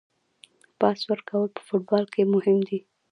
پاس ورکول په فوټبال کې مهم دي.